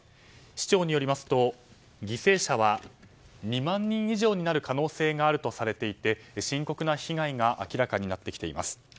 市長によりますと犠牲者は、２万人以上になる可能性があるとされていて深刻な被害が明らかになってきています。